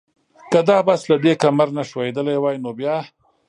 که دا بس له دې کمر نه ښویېدلی وای نو بیا؟